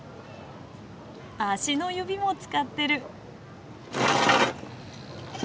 足の指も使ってる。